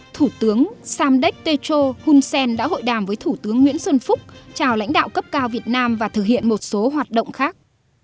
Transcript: thủ tướng samdek techo hun sen đã hội đàm với thủ tướng nguyễn xuân phúc chào lãnh đạo cấp cao việt nam và thực hiện một số hoạt động khác